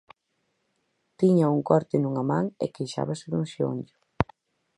Tiña un corte nunha man e queixábase dun xeonllo.